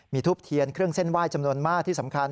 มีทูบเทียนเครื่องเส้นไหว้จำนวนมากที่สำคัญ